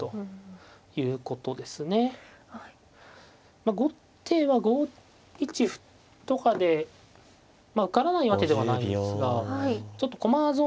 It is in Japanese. まあ後手は５一歩とかでまあ受からないわけではないんですがちょっと駒損